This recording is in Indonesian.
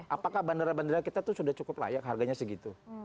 apakah bandara bandara kita itu sudah cukup layak harganya segitu